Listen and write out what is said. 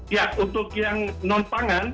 ya untuk yang non pangan